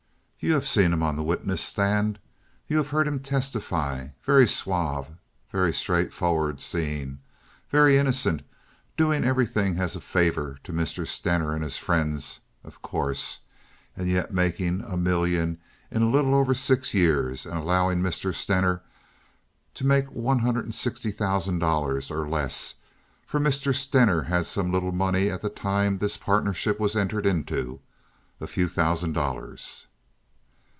You have seen him on the witness stand. You have heard him testify. Very suave, very straightforward seeming, very innocent, doing everything as a favor to Mr. Stener and his friends, of course, and yet making a million in a little over six years and allowing Mr. Stener to make one hundred and sixty thousand dollars or less, for Mr. Stener had some little money at the time this partnership was entered into—a few thousand dollars."